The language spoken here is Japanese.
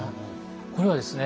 これはですね